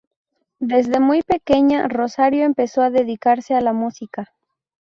Desde muy pequeña, Rosario empezó a dedicarse a la música.